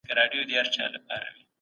ایا احتکار د قانون له مخي جرم دی؟